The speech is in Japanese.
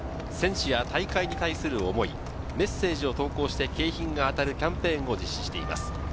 選手や大会に対する思い、メッセージを投稿して景品が当たるキャンペーンを実施しています。